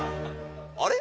あれ？